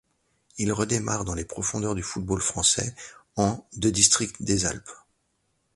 Il redémarre dans les profondeurs du football français, en de district des Alpes.